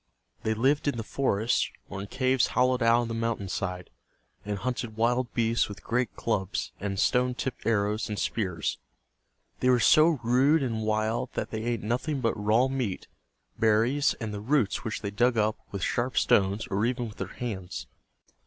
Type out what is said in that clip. They lived in the forests, or in caves hollowed out of the mountain side, and hunted wild beasts with great clubs and stone tipped arrows and spears. They were so rude and wild that they ate nothing but raw meat, berries, and the roots which they dug up with sharp stones or even with their hands.